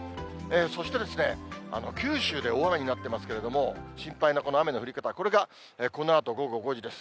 そして、九州で大雨になってますけれども、心配なこの雨の降り方、これがこのあと午後５時です。